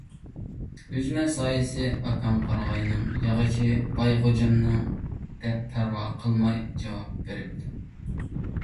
— ئۈجمە سايىسى ئاكاڭ قارىغاينىڭ، ياغىچى باي غوجامنىڭ، — دەپ پەرۋا قىلماي جاۋاب بېرىپتۇ.